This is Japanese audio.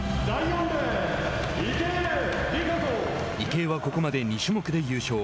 池江はここまで２種目で優勝。